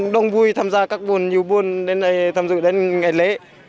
đông vui tham gia các buôn nhiều buôn đến đây tham dự đến ngày lễ